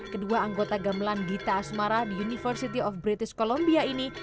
kedua anggota gamelan gita asmara di university of british columbia ini